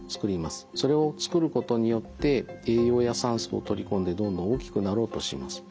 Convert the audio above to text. それをつくることによって栄養や酸素を取り込んでどんどん大きくなろうとします。